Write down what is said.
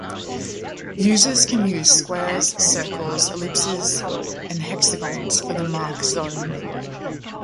Users can use squares, circles, ellipses and hexagons for the mark zone.